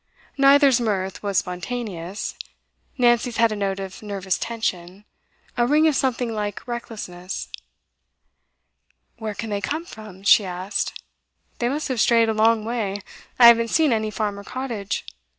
Neither's mirth was spontaneous; Nancy's had a note of nervous tension, a ring of something like recklessness. 'Where can they come from?' she asked. 'They must have strayed a long way. I haven't seen any farm or cottage.